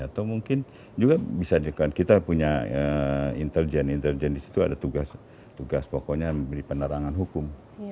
atau mungkin juga bisa kita punya intelijen intelijen disitu ada tugas pokoknya penerangan hukum